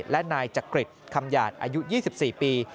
และนายจักริตคำหยาดอายุ๒๔ปี